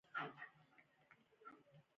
سلټ او ریګ د سریښ څخه پرته دي